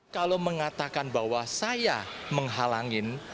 kalau mengatakan bahwa saya menghalangin